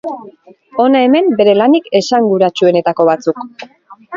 Hona hemen bere lanik esanguratsuenetako batzuk.